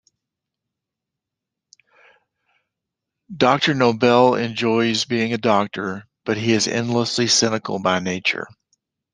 Doctor Noble enjoys being a doctor, but he is endlessly cynical by nature.